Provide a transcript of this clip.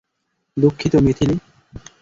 দুঃখিত, মিথিলি।